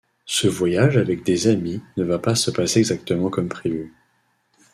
Ce voyage avec des amis ne va pas se passer exactement comme prévu.